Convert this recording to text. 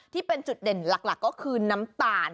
ที่เป็นจุดเด่นหลักก็คือน้ำตาล